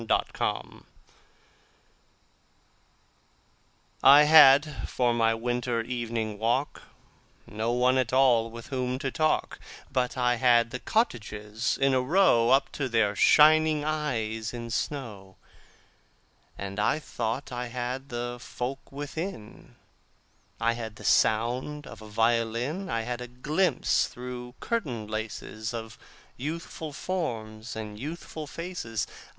Good Hours I HAD for my winter evening walk No one at all with whom to talk, But I had the cottages in a row Up to their shining eyes in snow. And I thought I had the folk within: I had the sound of a violin; I had a glimpse through curtain laces Of youthful forms and youthful faces.